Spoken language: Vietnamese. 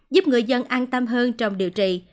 giúp người dân an tâm hơn trong điều trị